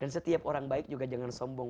dan setiap orang baik juga jangan sombong